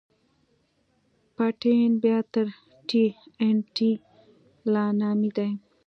پټن بيا تر ټي ان ټي لا نامي دي.